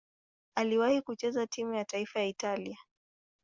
Aliwahi kucheza timu ya taifa ya Italia.